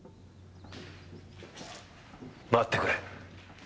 待ってくれ。